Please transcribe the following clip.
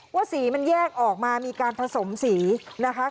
สีมันแยกออกมามีการผสมสีนะคะ